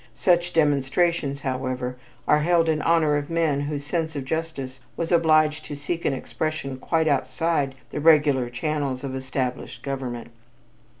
Such demonstrations, however, are held in honor of men whose sense of justice was obliged to seek an expression quite outside the regular channels of established government.